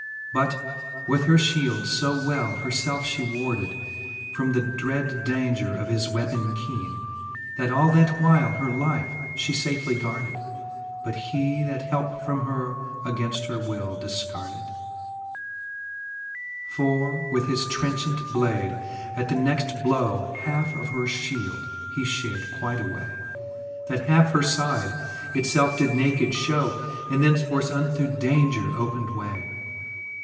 But with her fliield fo well her felfe flie warded, From the dread daunger of his weapon keene. That all that while her life flie fafely garded : But he that helpe from her againft her will difcarded* IX. For yo ^he fifth Booke of Canto V. IX. For with his trenchant blade at the next blow Halfe of her Ihield he fliared quite away, That halfe her fide it felfe did naked Ihow, And thenceforth unto daunger opened way.